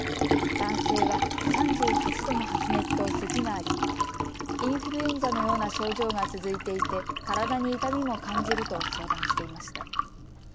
男性は３８度の発熱とせきがありインフルエンザのような症状が続いていて体に痛みも感じると相談していました。